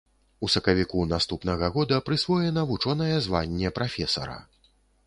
У сакавіку наступнага года прысвоена вучонае званне прафесара.